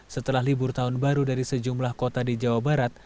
setelah libur tahun baru dari sejumlah kota di jawa barat